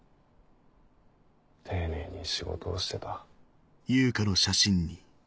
丁寧に仕事をしてた。